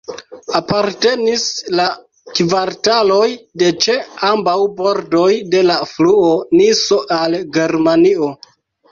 Apartenis la kvartaloj de ĉe ambaŭ bordoj de la fluo Niso al Germanio.